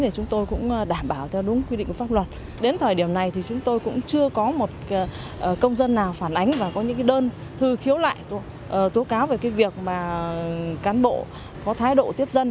có một công dân nào phản ánh và có những đơn thư khiếu lại tố cáo về việc cán bộ có thái độ tiếp dân